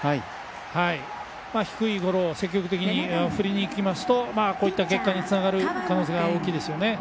低いゴロを積極的に振りにいきますとこういった結果につながる可能性が大きいですよね。